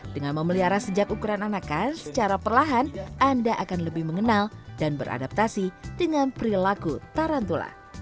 dengan memelihara sejak ukuran anakan secara perlahan anda akan lebih mengenal dan beradaptasi dengan perilaku tarantula